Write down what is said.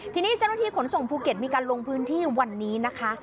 ทีนี้เจ้าหน้าที่ขนส่งภูเก็ตมีการลงพื้นที่วันนี้นะคะ